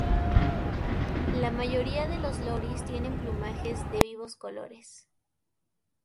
La mayoría de los loris tienen plumajes de vivos colores.